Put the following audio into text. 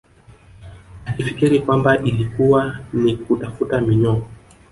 Akifikiri kwamba ilikuwa ni kutafuta minyoo